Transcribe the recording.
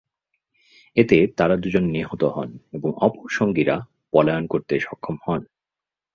এতে তারা দুজন নিহত হন এবং অপর সঙ্গীরা পলায়ন করতে সক্ষম হন।